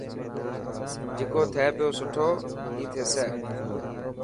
جڪو ٿي پيو سٺو هي ٿيي.